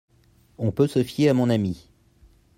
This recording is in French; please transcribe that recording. On peut se fier à mon ami.